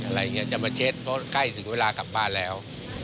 อะไรอย่างนี้จะมาเช็ดเพราะใกล้ถึงเวลากลับบ้านแล้ว